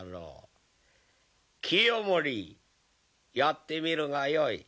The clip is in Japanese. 清盛やってみるがよい。